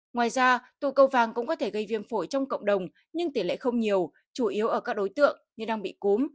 ngoài ra tụ cầu vàng cũng có thể gây viêm phổi trong cộng đồng nhưng tỷ lệ không nhiều chủ yếu ở các đối tượng như đang bị cúm